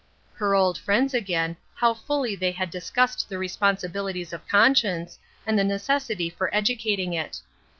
Her old friends again, how fully they had dis cussed the responsibilities of conscience, and the necessity for educating it.